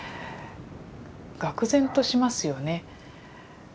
がく然としますよね。